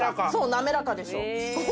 なめらかでしょ？